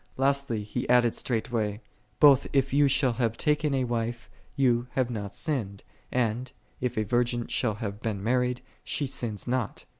Lastly, he added straightway, " Both if thou shall have taken a wife, thou hast not sinned; and, if a virgin shall have been mar ried, she sinneth not."